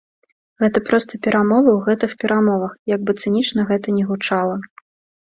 Гэта проста перамовы ў гэтых перамовах, як бы цынічна гэта ні гучала.